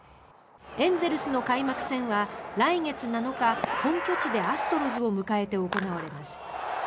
エンゼルスの開幕戦は来月７日本拠地でアストロズを迎えて行われます。